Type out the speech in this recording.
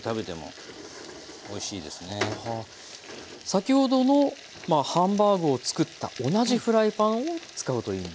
先ほどのハンバーグを作った同じフライパンを使うといいんですね。